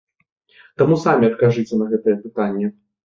Таму самі адкажыце на гэтае пытанне.